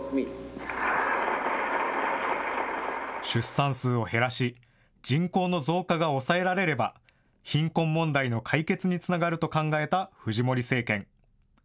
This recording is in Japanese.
出産数を減らし、人口の増加が抑えられれば、貧困問題の解決につながると考えたフジモリ政権。